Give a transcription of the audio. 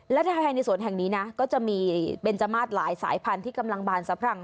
และภายในสวนแห่งนี้นะก็จะมีเบนจมาสหลายสายพันธุ์ที่กำลังบานสะพรั่ง